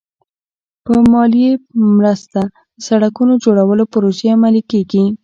د مالیې په مرسته د سړکونو جوړولو پروژې عملي کېږي.